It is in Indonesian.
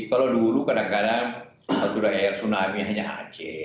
kalau dulu kadang kadang satu daerah tsunami hanya aceh